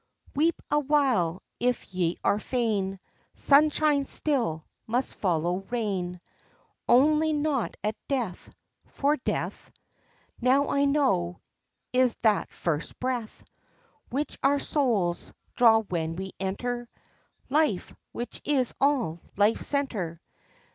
Weep awhile, if ye are fain— Sunshine still must follow rain; Only not at death—for death, Now I know, is that first breath Which our souls draw when we enter Life, which is of all life center.